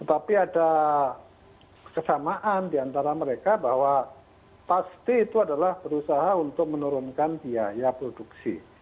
tapi ada kesamaan diantara mereka bahwa pasti itu adalah berusaha untuk menurunkan biaya produksi